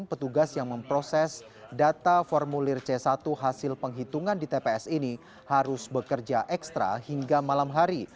petugas yang memproses data formulir c satu hasil penghitungan di tps ini harus bekerja ekstra hingga malam hari